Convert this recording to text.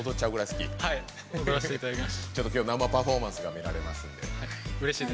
きょう生パフォーマンスが見られますので。